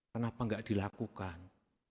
kenapa enggak dilakukan